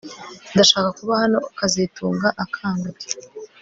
Ndashaka kuba hano kazitunga akangutse